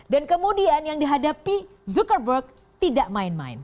dan kemudian yang dihadapi zuckerberg tidak main main